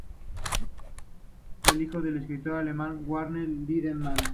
Es hijo del escritor alemán, Werner Lindemann.